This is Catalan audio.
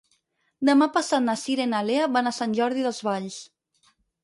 Demà passat na Cira i na Lea van a Sant Jordi Desvalls.